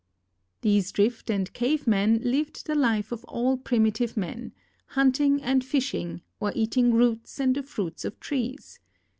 These Drift and Cave men lived the life of all primitive men, hunting and fishing, or eating roots and the fruits of trees.